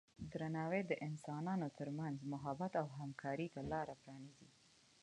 درناوی د انسانانو ترمنځ محبت او همکارۍ ته لاره پرانیزي.